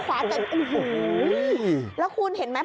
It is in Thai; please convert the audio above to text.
สวัสดีสวัสดี